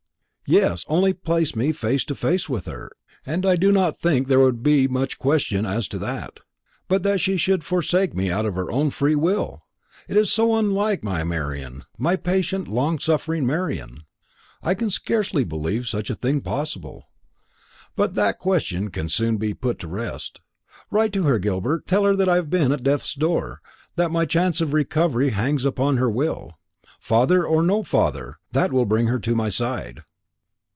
"Yes; only place me face to face with her, and I do not think there would be much question as to that. But that she should forsake me of her own free will! It is so unlike my Marian my patient, long suffering Marian; I can scarcely believe such a thing possible. But that question can soon be put at rest. Write to her, Gilbert; tell her that I have been at death's door; that my chance of recovery hangs upon her will. Father or no father, that will bring her to my side."